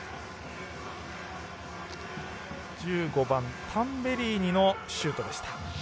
１５番、タンベリーニのシュートでした。